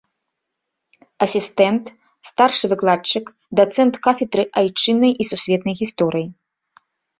Асістэнт, старшы выкладчык, дацэнт кафедры айчыннай і сусветнай гісторыі.